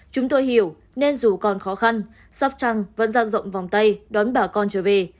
chúng tôi hiểu nên dù còn khó khăn sóc trăng vẫn gian rộng vòng tay đón bà con trở về